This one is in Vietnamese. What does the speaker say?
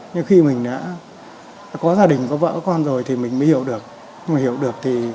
nhưng khi mình đã có gia đình có vợ có con rồi thì mình mới hiểu được